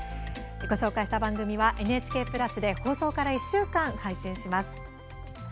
ご紹介した番組はＮＨＫプラスで放送から１週間、配信します。